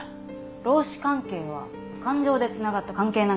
労使関係は感情でつながった関係なんかじゃない。